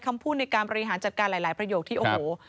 คำพูดในการบริหารจัดการหลายประโยคที่โอ้โห